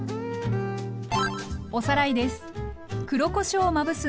おさらいです。